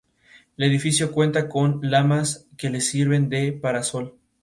Es una de las líneas principales de la red ferroviaria de Suiza.